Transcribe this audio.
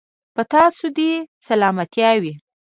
په تاسو دې سلامتيا وي.